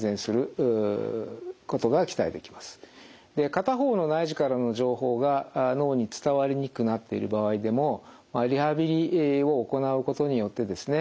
片方の内耳からの情報が脳に伝わりにくくなっている場合でもリハビリを行うことによってですね